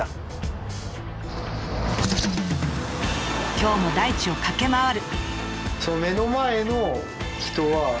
今日も大地を駆け回る。